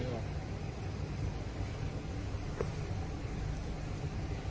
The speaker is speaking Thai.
สวัสดีครับ